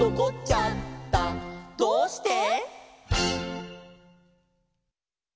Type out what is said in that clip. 「どうして？」